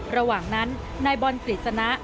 ระหว่างนั้นนายบอลกฤษณะ